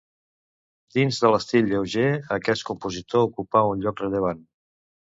Dins de l'estil lleuger aquest compositor ocupà un lloc rellevant.